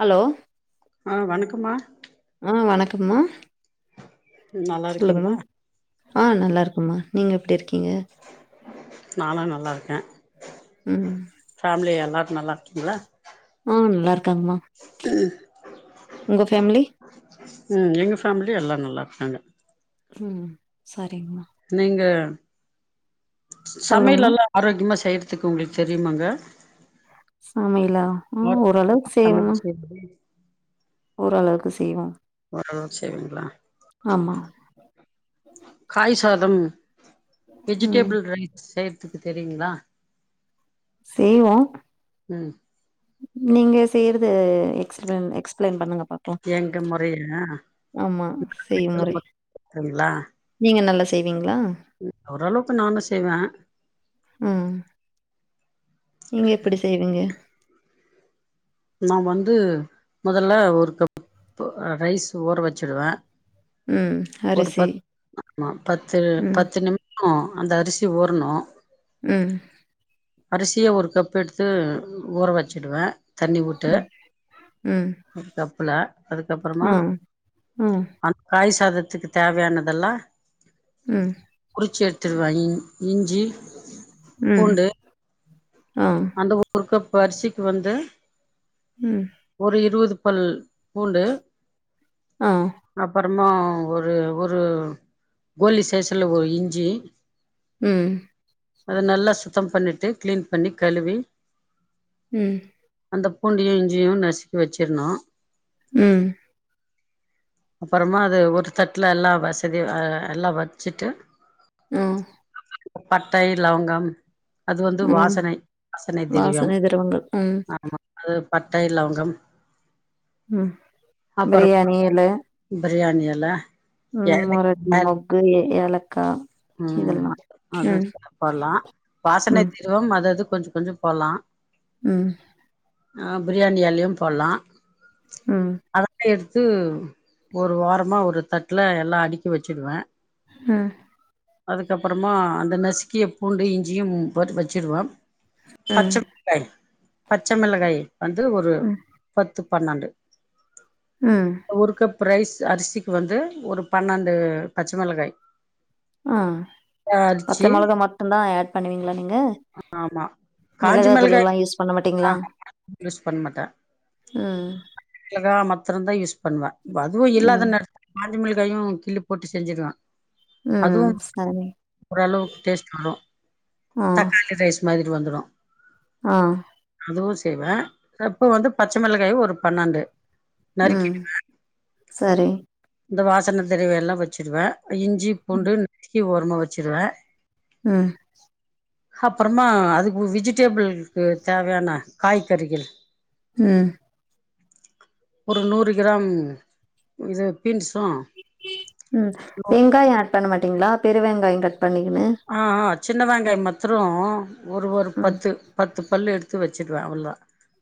Hello? ம்மா ஆ வணக்கம்மா நல்லா சொல்ங்கமா இருக்கீங்களா ஆ நல்லா இருக்குமா. நீங்க எப்பிடிரிக் நான்னானா ல்லாருக்கே ம் ஃபேமில எல்லா நல்லா இருக்கீங்களா ம் நல்லாருக் க்கம்மா உங்க ஃபேமிலி ம் எங்க ஃபேமிலி எல்லா நல்லா இருக்காங்க ம் சா நீங்க சொல்லுங்கம்மா சமையலல்லா ஆரோக்கியமா செ செய்றதுக்கு உங்களுக்கு தெரியுமாங்க சமையலா ம் ஓரளவுக் செய்வம்மா சமையல் செய்றது ஓரளவுக்கு செய்வோ ஓரளவுக்கு செய்விங்களா ஆமா காய் சாதம் ம் வெஜிடேபிள் ரைஸ் செய் த்துக்கு தெரியுங்ளா செய்வோ ம் நீங்க செய்றத் இது எக்ஸ்ப்ளைன் எக்ஸ்ப்ளைன் பண்ணுங்க பாக்கலா எங்க முறையா ஆமா செய் முறை ங்களா நீங்க நல்ல செய்த ஓரளவுக்கு நானு செய்வே ம் நீங்க எப்டி செய்வீங்க நா வந்து முதல்ல ஒரு கப்பு ரைஸ் ஓர வச்சுடுவே ம் ஒரு அரிசி பத்து ஆமா பத்து ம் பத்து நிம் உ அந்த அரிசி ஊரணு ம் அரிசிய ஒரு கப் எடுத்து ஊற வச்சிடுவே தண்ணி வுட்டு ம் ம் அதுக்கப் குல அதுக்கப்புறமா ஆ ஆ அந்த காய்ஸ் சாதத்துக்கு தேவையானதெல்லா ம் சேர்த்துடுவ இஞ்சி ம் பூண்டு உம் அந்த ஊருக்கு வரிசிக்கு வந்து ம். ஒரு இருவது பல் பூண்டு ஆ அப்புறமா ஒரு ஒரு கோலி சைஷ்ல ஒரு இஞ்சி ம் அத நல்லா சுத்தம் பண்ணிட்டு க்ளீன் பண்ணி கழுவி ம் அந்த பூண்டயு இஞ்சியு நசுக்கி வச்சிருனு ம் அப்புறமா அது ஒரு தட்டுல எல்லா வசதி அ எல்லா வச்சுட்டு ம் பட்டை லவங்கம் அது வந்து ம். வாசனை வாசனை திரவியவம் திரவங்கள். ம். ஆமா அது பட்டை லவங்கம் ம் அப்பறோ பிரியாணி எல பிரியாணி எல ம் மராட்டி ஏலக்காய் மொக்கு ஏ ஏலக் ம் அதுவு சாப்பல்லா வாசனை ம். தீரவம் அது அது கொஞ்சோ கொஞ்சோ போலா ம் ஆ பிரியாணி எலயும் போல்லா ம். [inaudible] து ஒரு வாரமா ஒரு தட்ல எல்லா அடுக்கி வெச்சுருவ ம் அதுக்கப்புறமா அந்த நசுக்கிய பூண்டு இஞ்சியும் போட்டு வெச்சுருவ ம். பச்சப் பயிர் பச்ச மெளகாயி வந்து ஒரு ம். பத்து பன்னெண்டு ம் ஒரு கப் ரைஸ் அரிசிக்கு வந்து ஒரு பண்னெண்டு பச்ச மெளகாய் ஆ பச்ச மொளகா மட்டுந்தா ஏட் பண்ணுவீங்களா நீங்க ஆமா காஞ்ச மிளகா மிளகாய் தூள்ல்லா யூஸ் பண்ண மாட்டீங்களா ஆஹா யூஸ் பண்ண மாட்டே ம் மாத்துரந்தா யூஸ் பண்வ அதுவு இல்லாத ம். நேரத்துல காஞ்ச மிளகாயு கிள்ளி போட்டு செஞ்சுக்கலா அதுவு ம். சரி. ஓரளவுக்கு டேஸ்ட் வரு ஆ. தக்காளி ரைஸ் மாதிரி வந்துரு ஆ அதுவு செய்வ அப்போ வந்து பச்ச மெளகாயு ஒரு பன்னெண்டு ம் நறுக்கிடுவே சரி இந்த வாசன திரவியோ எல்லா வெச்சுருவ இஞ்சி பூண்டு நருக்கி ஓரமா வெச்சுருவ ம் அப்புறமா அதுக்கு வெஜிடேபிள்ளுக்கு தேவையான காய்கறிகள் ம் ஒரு நூறு கிராம் இது பீன்ஸ் ம் வெங்காயோ ஏட் பண்ண மாட்டீங்களா பெருவெங்காயோ கட் பண்ணிக்கனு ஆ ஆ சின்ன வெங்காய மத்ரோ ஒரு ஒரு ம் பத்து பத்து பல்லு எடுத் த்து வெச்சிடுவ அவ்ள தா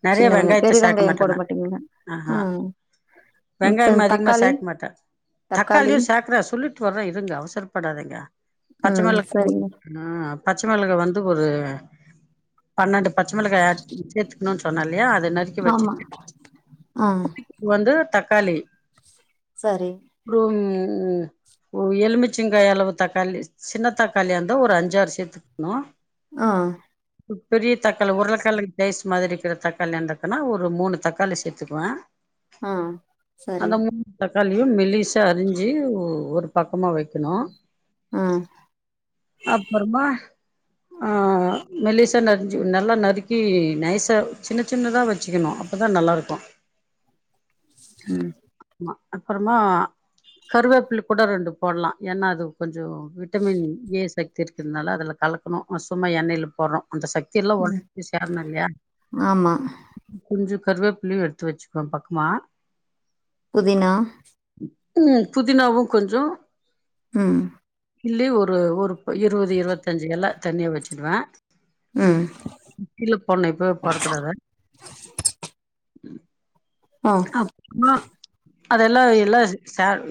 நெறைய சின்ன வெங்காயம் வெங்காயத்த பெரிய சேக்க வெங்காயம் மாட்டே போட நானு மாட்டீங்களா ஆ ஆ ம் மத்த வெங்காயமே அதிகமா தக்காளி சேக்க மாட்டே தக்காளி தக்காளியு சேக்கற சொல்லிட்டு வர்றே இருங்க அவசரப்படாதிங்க பச்ச ம் மெள சரிங்க [inaudible] பச்ச மெளகா வந்து ஒரு பன்னெண்டு பச்சை மெளகாய ஆட் சேத்துக்கனுன் சொன்ன யா அத நறுக்கி ஆமா வெச்சிட்டு ஆ வந்து தக்காளி சரி ஒரு ம் உ எலமிச்சிங்கா அளவு தக்காளி சி சின்ன தக் தக்காளியா இருந்தா ஒரு அஞ்சாறு சேத்துக்கணு ஆ பெரிய தக்களி உருளக்கெலங் ரைஸ் மாரி இருக்கற தக்காளி இந்தக்குன்னா ஒரு மூணு தக்காளி சேத்துக்குவ ஆ சரி தக்காளியு மெல்லிஸா அரிஞ்சு ஓ ஒரு பக்கமா வெக்கணு ம் அப்பறமா ஆ மெல்லிசா நரிஞ்சு நல்லா நறுக்கி நைசா சின்ன சின்னதா வெச்சிக்கணு அப்ப தா நல்லா இருக்கு ம் அப்புறமா கருவேப்பில கூட ரெண்டு போட்லா ஏன்னா அது கொஞ்ஜோ விட்டமின் ஏ சக்தி இருக்கறனால அதுல கலக்கணு சும்மா எண்ணெயல போட்றோ அந்த சக்தி எல்லா ம் ஒடம்புல சேரனோ இல்லையா ஆமா கொஞ்ச கருவேப்பிளயு எடுத்து வெச்சிக்கோ பக்கமா புதினா ம் புதினாவு கொஞ்ச ம் இல்ல ஒரு ஒர் இருவது இருவத்தஞ்சு எல்லா தனியா வெச்சிடுவே ம் கில போன்னு இப்பவே போடக்கூடாத ம் ஆ அப்பா அதெல்லா எல்லா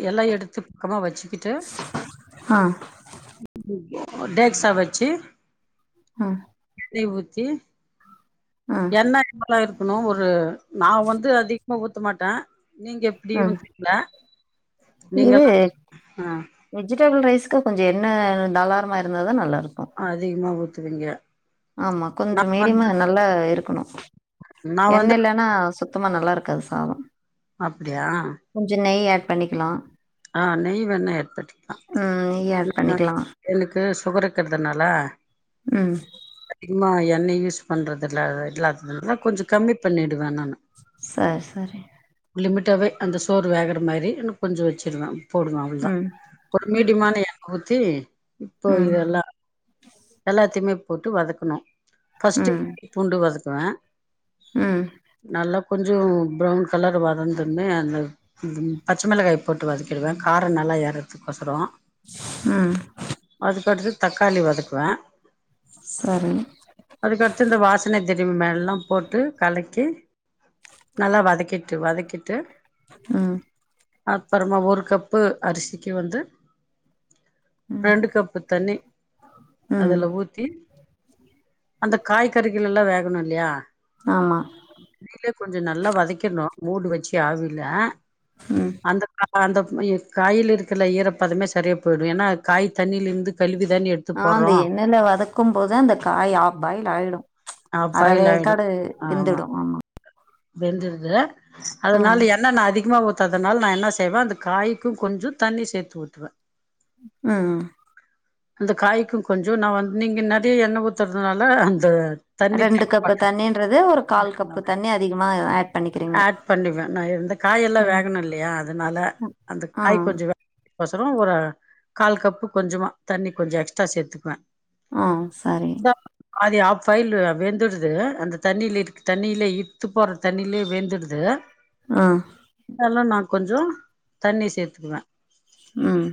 எல்லா எடுத்து பக்கமா வச்சுக்கிட்டு ஆ ஒன்டே எக்சாம்வெச்சு ஆ எண்ணய ஊத் ஏ ஆ என்ன இவ்வள இருக்கு நா ஒரு நா வந்து அதிக ஊத்த மாட்டா நீங்க எப்டி ஆ ஊத்வீங்ளா இது வெஜிடபல் ரைஸ் இ கொஞ்சோ எண்ண தாளாரமாக இருந்தாதா நல்லா இருக் அதிகமா ஊத் த்துவீங்க ஆமா கொஞ்சோ மீடியமா நல்லா இருக்கு க்கனு நா எண்ண வந்து இல்லனா சு சுத்தமா நல்லா இருக்காது சாதோ அப்டியா கொஞ்சோ நெய் பண்ணிக்கலா ஆ நெய் வேணா எடுத்துக்களா ம் நெய் ஆட் பண்ணிக்கலா எனக்கு சுகர் இருக்குறதுனாலா உம் மா எண்ண யூஸ் பண்றது இல்ல இல்லாததுனால கொஞ்சோ கம்மி பண்ணி சரி சரி லிமிட்டாகவே அந்த சோர் வேகுற மாரி எனக்கு கொஞ்சோ வச்சு இன்னு போடுங்க அவ்வளதா ஒரு மீடியமான தே இப்போ இதெல்லா எல்லாத்தையுமே போட்டு வதக்கணு ஃபஸ்ட்டு பூண்டு வதக் க்குவா நல்லப் கொஞ்சோ ப்ரௌன் கலர் வரதன்நே அந்த ந் பச்ச மிளகாய் போட்டு வதக்கிடுவே காரோ நல்லா எர கொசரோ அதுக்கடுத்து தக்காளி வதக்கு க்குவ சரி அதுக்கடுத்து இந்த வாசனை திரும்பி மேலல்லா போட்டு கலக்கி நல்லா வதக்கிட்டு வதக்கிட்டு ம் அப்புறமா ஒரு கப்பு அரிசிக்கு வந்து ம் ரெண்டு கப்பு தண்ணி ம் அதுல ஊத்தி அந்த காய்கறிகள்ள எல்லா வேகணு இல்லையா ஆமா ல கொஞ்சோ நல்லா வதக்கிடணு மூடு வச்சு ஆவில ம் அந்த கா அ அந்த புயி காயில இருக்குல ஈரப்பதமே சரியா போயிடு ஏன்னா காய் தண்ணியில இருந்து கழுவிதானே எடுத்து ஆ அந்த போடுறோம் எண்ணெயில வதக்கு போது அந்த காய் ஆஃப்பாயில் ஆயிடு ஆ பாயில் ஆயிடும் அரவேக்காடு விந்துடு ஆமா வெந்துடுது ம் அதனால எண்ண நா அதிகமா ஊத் அதனால நா என்ன செய்வே அந்த காய்கு கொஞ்சோ தண்ணி சேர்த்து ஊத்துவே ம் அந்த காய் க்கு கொஞ்சோ நா வந்து நீங்க நிறைய எண்ண ஊத்துறதுனால அந்த தண்ணி ரெண்டு தேக்க கப்பு மாட்டே தண்ணின்றது ஒரு கால் கப்பு அதுனால தண்ணி அதிகமா ஆட் பண்ணிக்கிறீங்க ஆட் பண்ணுவ நா இருந்த காய் எல்லா ம் வேகணு இல்லையா அதனால அந்த ஆ காய் கொஞ்சோ ஒர் சரோ ஒரு கால் கப்பு கொஞ்சமா தண்ணி கொஞ்சம் எக்ஸ் த்தா சேர்த்துப்பே ஆ சரி ஃபைல் வெந்துடுது அந்த தண்ணியிலே தண்ணியிலே இத்து போன தண்ணிலயே வெந்துடுது ஆ ல்லலா நானு கொஞ்சோ தண்ணி சேர்த்துக்குவே ம்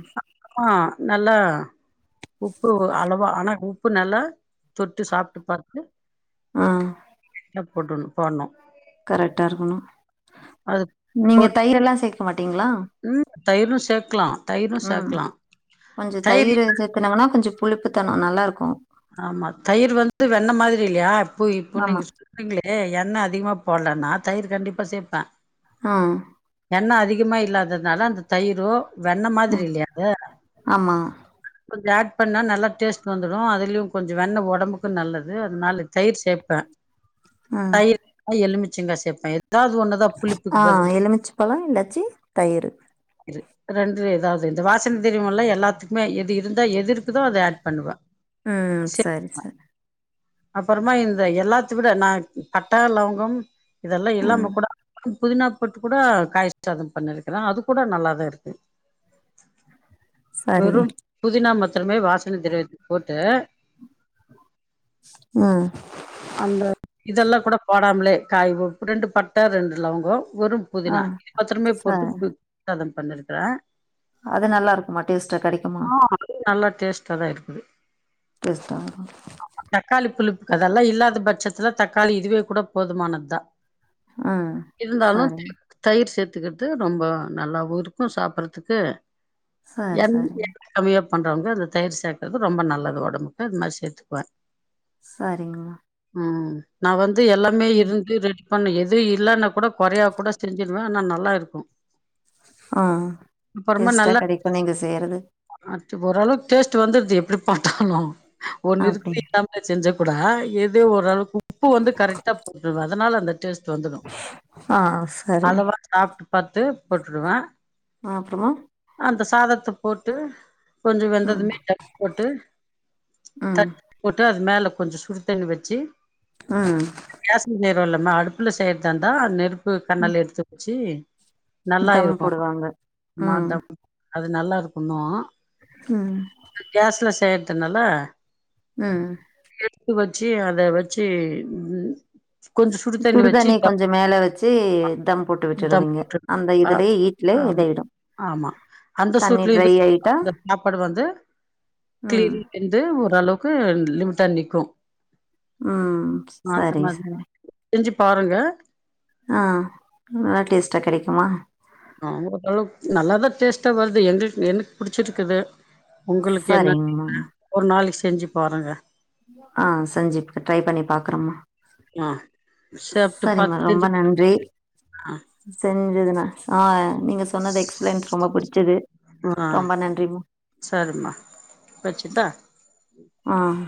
ஆ நல்லா உப்புரவு அளவா ஆனா உப்பு நல்லா தொட்டு சாப்ட்டு பார்த்து ஆ ட போடனு போட்னு கரெக்டா இருக்கனு அது நீங்க போட் தயிரெல்லா சேக்க மாட்டீங்ளா? ம் தயிரு சேக்லா ம் கொஞ்சொ தயிரூ சேக்குனங்கனா கொஞ்ச புளிப்புத்தனொ நல்லாருக்கு ஆமா தயிர் வந்து வெண்ண மாதிரி இல்லயா போய் இப்போ ஆமா நீங்க சொல்றீங்ளே ஏ எண்ண அதிகமா போட்லனா தயிர் கண்டிப்பா சேப்ப ம் எண்ண அதிகமா இல்லாததுனால அந்த தயிரு வெண்ண மாதிரி ம் இல்லையாது ஆமா இதுல ஆட் பண்ணா நல்லா டேஸ்ட் வந்துடு அதுலயு கொஞ்சொ வெண்ண ஒடம்புக்கு நல்லது அதுனால தயிர் சேப்பே ம் தயிர் இல்லனா எலுமிச் சிந்தா சேப்பே எ ஆ எலுமிச்சு பழொ இல்லாச்சி தயிரு இது ரெண்டுல எதாவ்து இந்த வாசன தெரிவொல்லா எல்லாத்துக்குமே எ திருந்தா எதிருக்குதோ அத ஆட் பண்ணுவ ம் சரி சரி அப்பறமா இந்த எல்லாத்த விட நா பட்ட லவங்கம் இதல்லா ம் இல்லாம கூட புதினா போட்டு கூட காய் சாதம் பண்ணிருக்குறே அது கூட நல்லாதா இருக்கு சரி வெறும் புதினா மத்ரமே வாசனை திரவியத்துக் போட்டு ம் அந்த இதல்லா கூட போடாமலே காய் உப் ரெண்டு பட்ட ரெண்டு லவங்கோ வறும் ஆ புதினா இது மத்திரமே ச போட்டு [unintelligible] சாதம் பண்ணிருக்குறே அது நல்லாருக்குமா டேஸ்ட்டா கடை ஆ அது நல்ல டேஸ்டாதா இருக்குது பிரசா கதெல்லா இல்லாத பட்சத்துல தக்காளி இதுவே கூட போதுமானதா ம் இருந்தாலு சரிங்க தயிர் சேத் த்துக்கிட்டு ரொம்ப நல்லாவு இருக்கு சாப்பறதுக்கு சார் எண் சாரி எண்ண கம்மியா பண்றவங்க இத தயர் சேர்க்கறது ரொம்ப நல்லது உடம்புக்கு இது மாரி சேத்துக்குவே சரிங்கம்மா ம் நா வந் து எல்லாமே ம். இருந்து ரெடி பண்ணு எது இல்லன்னாக் கூட கொறையா கூட செஞ்சுல் க்வே நல்லா இருக்கு ஆ டேஸ்டா கெடைக்கு நீங்க செய்யறது அர்த் ஓரளவுக் டேஸ்ட் வந்துருது எப்பிடி பாத்தாலு ஒ நிறுத்தி அப்டிங்க நிதானமா செஞ்ச கூட எதே ஓரளவுக்கு உப்பு வந்து கரெக்டா போட்டுருவ அதனால அந்த டேஸ் ஆ சரிங்க சாப்ட்டு பாத்து போட்டுருவே அ அப்புறமா அந்த சாதத்த போட் த்து கொஞ்சோ ம் வெந்ததுமே டக் போட்டு த ம் போட்டு அது மேல கொஞ்சோ சுடு தண்ணி வச்சி ஆ துல்லாமா அடுப்புல செய்றதா இருந்தா நெருப் ப்பு ம். கண்ணல எடுத்து வச்சி நல்லா தம் இருக்கு போடுவாங்க ம் மாத்தப் அது நல்லா இருக் ஹலோ உஹம் நேத்து நல்லா உஹம் இத்து வச்சு அத வச்சு உம் சுடுதண்ணிய கொஞ்சம் மேல வெச்சு தம் போட்டு தம் விட்டிடுவீங்க போட்டுருவ அந்த ஆ இதுலயே ஹீட்லே ஆம் இதாயிடும் ஆமா அந்த தண்ணி சூட்லயு இது ட்ரை ஆயிட்டா அந்த சாப்பாடு வந்து ம் கிளீர்ந்து ஓரளவுக் லிமிட்டா நிக்கும் உம் சரி சரி செஞ்சு பாருங்க ஆஹ் நல்லா டேஸ்ட்டா கெடைக்குமா அது ஒரு அளவுக்கு நல்லாதான் டேஸ்ட்டா வருது எங்க எனக்கு புடிச்சிருக்குது உங்களுக்கு என்ன சரிங்கம்மா ஒரு நாளை செஞ்சு பாருங்க ஆஹ் செஞ்சு ட்ரை பண்ணி பாக்குறோம்மா ஆஹ் செரிம்மா ரொம்ப நன்றி ஆ செஞ்சது நா சாப்பிட ஹ நீங்க சொன்னது எக்ஸ்ப்லைன்ஸ் ரொம்ப புடிச்சது ஆ ரொம்ப நன்றிமா சரிம்மா வச்சுட்டா ஆஹ்